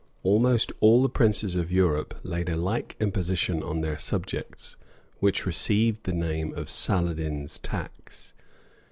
[*] Almost all the princes of Europe laid a like imposition on their subjects, which received the name of Saladine's tax.